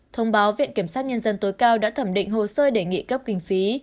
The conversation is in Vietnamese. thông báo viện kiểm sát nhân dân tối cao đã thẩm định hồ sơ đề nghị cấp kinh phí